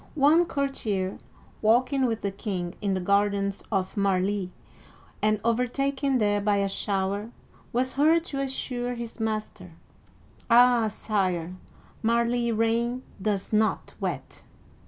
One courtier, walking with the king in the gardens of Marly (mar lee') and overtaken there by a shower, was heard to assure his master, " Ah, Sire, Marly rain does not wet